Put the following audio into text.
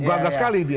gagah sekali dia